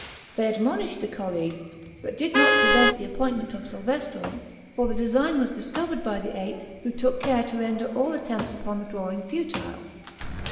They "admonished" the Colleague, but did not prevent the appointment of Salvestro, for the design was discovered by the Eight, who took care to render all attempts upon the drawing futile.